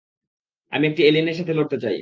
আমি একটা এলিয়েনের সাথে লড়তে চাই।